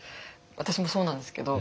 私もそうなんですけど。